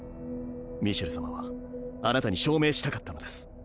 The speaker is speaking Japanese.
ミシェル様はあなたに証明したかったのです。